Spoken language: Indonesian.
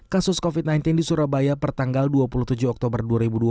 kasus covid sembilan belas di surabaya pertanggal dua puluh tujuh oktober dua ribu dua puluh